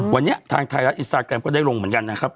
วันนี้ทางไทยรัฐอินสตาแกรมก็ได้ลงเหมือนกันนะครับ